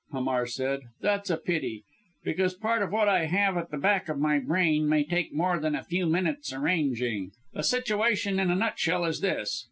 Hamar said, "that's a pity; because part of what I have at the back of my brain may take more than a few minutes arranging. The situation in a nutshell is this.